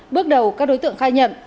bước đầu các đối tượng khai nhận